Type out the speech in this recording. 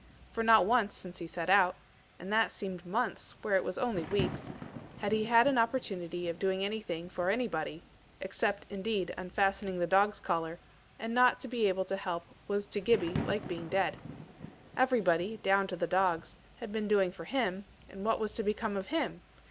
For not once since he set out and that seemed months where it was only weeks, had he had an opportunity of doing anything for anybody except, indeed, unfastening the dog's collar; and not to be able to help was to Gibbie like being dead. Everybody, down to the dogs, had been doing for him, and what was to become of him!